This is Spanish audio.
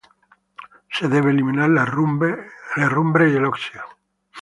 Se debe eliminar la herrumbre y el óxido.